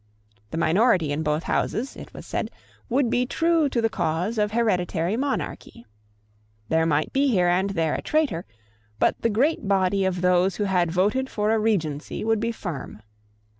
The minority in both Houses, it was said, would be true to the cause of hereditary monarchy. There might be here and there a traitor; but the great body of those who had voted for a Regency would be firm.